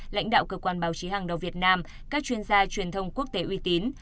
lãnh đạo cơ quan báo chí hàng đầu việt nam các chuyên gia truyền thông quốc tế uy tín